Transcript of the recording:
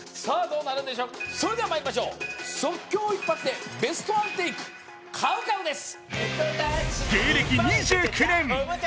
どうなるんでしょうそれではまいりましょう即興一発でベストワンテイクＣＯＷＣＯＷです